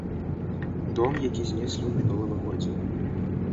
Дом, які знеслі ў мінулым годзе.